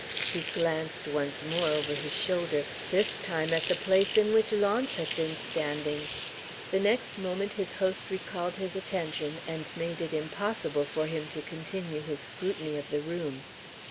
He glanced once more over his shoulder this time at the place in which Launce had been standing. The next moment his host recalled his attention, and made it impossible for him to continue his scrutiny of the room.